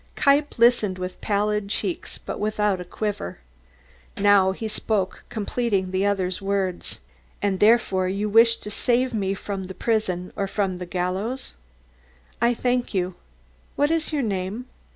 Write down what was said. Kniepp listened with pallid cheeks but without a quiver. Now he spoke, completing the other's words: "And therefore you wish to save me from the prison or from the gallows? I thank you. What is your name?"